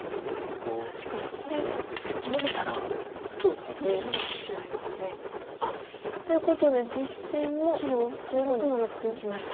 確かにこれノビたら切られてしまいますね。ということで実戦もここにいきました。